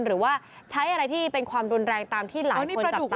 หรือว่าใช้อะไรที่เป็นความรุนแรงตามที่หลายคนจับตามออกอ๋อนี่ประดุกล่อ